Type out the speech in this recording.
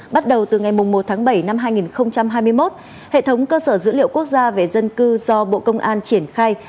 bắt đầu từ ngày một tháng bảy năm hai nghìn hai mươi một hệ thống cơ sở dữ liệu quốc gia về dân cư do bộ công an triển khai